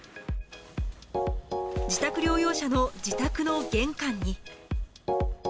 自宅療養者の自宅の玄関に。